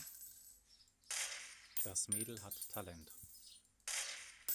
Das Mädel hat Talent.